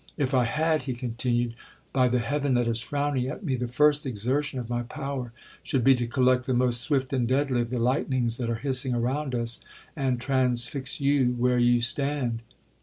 If I had,' he continued, 'by the heaven that is frowning at me, the first exertion of my power should be to collect the most swift and deadly of the lightnings that are hissing around us, and transfix you where you stand!'